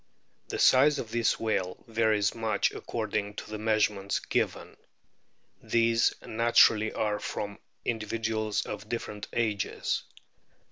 The size of this whale varies much according to the measurements given. These naturally are from indi viduals of different ages.